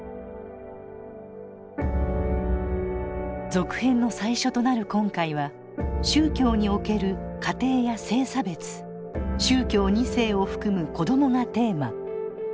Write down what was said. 続編の最初となる今回は宗教における家庭や性差別宗教２世を含む子どもがテーマ。